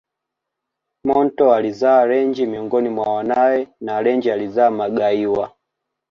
Monto alizaa Range miongoni mwa wanae na Range alizaa Magaiwa